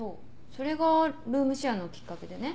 それがルームシェアのきっかけでね。